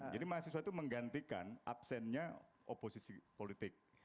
jadi mahasiswa itu menggantikan absennya oposisi politik